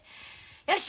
よし！